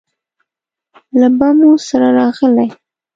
له بمو سره راغلې